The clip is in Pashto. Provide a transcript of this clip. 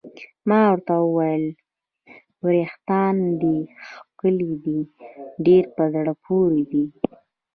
ما ورته وویل: وریښتان دې ښکلي دي، چې ډېر په زړه پورې دي.